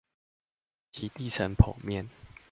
其地層剖面